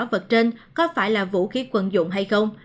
vật trên có phải là vũ khí quân dụng hay không